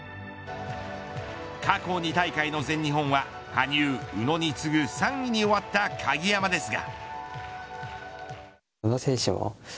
過去２大会の全日本は羽生、宇野に次ぐ３位に終わった鍵山ですが。